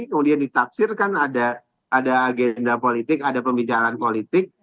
kemudian ditafsirkan ada agenda politik ada pembicaraan politik